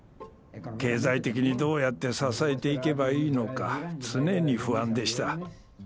経済的にどうやって支えていけばいいのか常に不安でした。